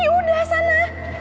pergi udah sana